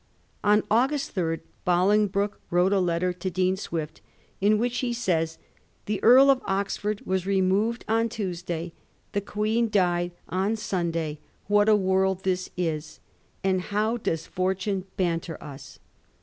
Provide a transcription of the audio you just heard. On August 3 Bolingbroke wrote a letter to Dean Swift, in which he says, ' The Earl of Oxford was removed on Tuesday ; the Queen died on Sunday. What a world this is, and how does fortune banter us